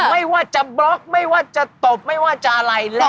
ไม่ว่าจะบล็อกไม่ว่าจะตบไม่ว่าจะอะไร